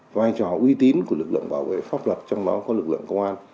vai trò uy tín của lực lượng bảo vệ pháp luật trong đó có lực lượng công an